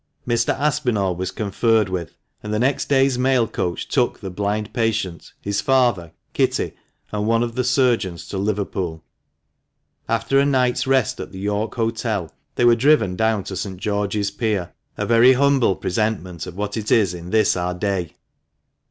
Mr. Aspinall was conferred with, and the next day's mail coach took the blind patient, his father, Kitty, and one of the surgeons to Liverpool. After a night's rest at the York Hotel, they were driven down to St. George's Pier, a very humble presentment of what it is in this our day.